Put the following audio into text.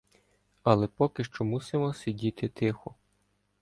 Але поки що мусимо сидіти тихо.